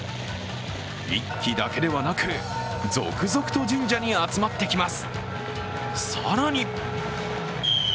１基だけでなく、続々と神社に集まってきます。